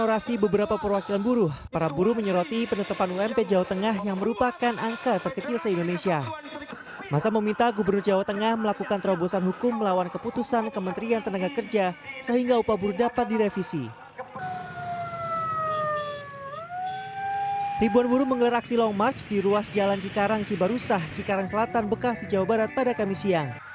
ribuan buruh menggelar aksi long march di ruas jalan cikarang cibarusah cikarang selatan bekasi jawa barat pada kami siang